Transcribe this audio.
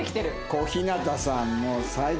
小日向さん